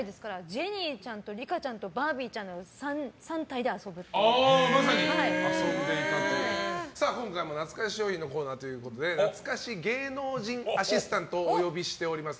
ジェニーちゃんとリカちゃんとバービーちゃんの３体で今回も懐かし商品のコーナーということで懐かしい芸能人アシスタントをお呼びしております。